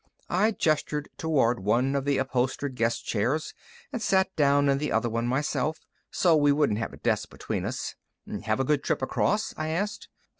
I gestured toward one of the upholstered guest chairs, and sat down in the other one myself, so we wouldn't have the desk between us. "Have a good trip across?" I asked.